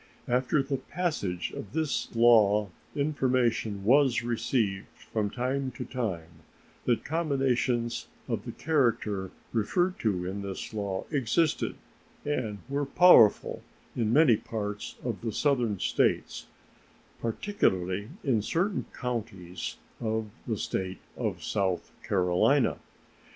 After the passage of this law information was received from time to time that combinations of the character referred to in this law existed and were powerful in many parts of the Southern States, particularly in certain counties in the State of South Carolina.